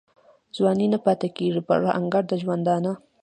ځواني نه پاته کیږي پر انګړ د ژوندانه